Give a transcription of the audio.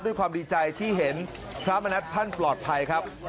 ด้วยความดีใจที่เห็นพระมณัฐท่านปลอดภัยครับ